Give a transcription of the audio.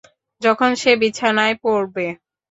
যখন সে বিছানায় পড়বে।